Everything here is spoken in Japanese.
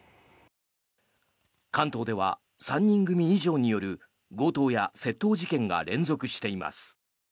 関東では３人組以上による強盗や窃盗事件が連続しています。